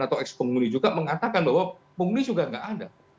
atau eks penghuni juga mengatakan bahwa pungli juga tidak ada